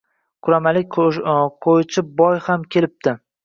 Quramalik qo‘ychi boy ham keliptimi?